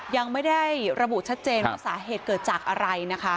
ยังไม่ได้ระบุชัดเจนว่าสาเหตุเกิดจากอะไรนะคะ